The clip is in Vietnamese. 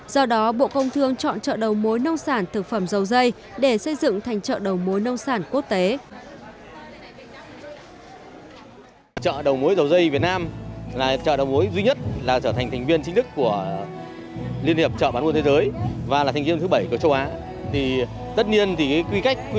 do đó bộ công thương chọn chợ đầu mối nông sản thực phẩm dầu dây để xây dựng thành chợ đầu mối nông sản quốc tế